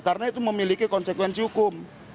karena itu memiliki konsekuensi hukum